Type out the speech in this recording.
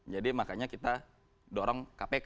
jadi makanya kita dorong kpk